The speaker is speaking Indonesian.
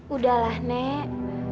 udah lah nek